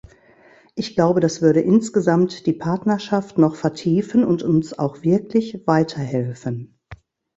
Ich glaube, das würde insgesamt die Partnerschaft noch vertiefen und uns auch wirklich weiterhelfen.